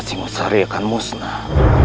singosari akan musnah